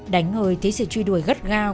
đánh ngồi thấy sự truy đuổi gắt gao